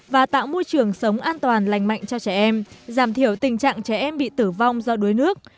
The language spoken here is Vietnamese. và tạo môi trường sống an toàn lành mạnh cho trẻ em giảm thiểu tình trạng trẻ em bị tử vong do đuối nước